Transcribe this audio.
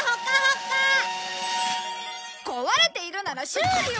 壊れているなら修理を。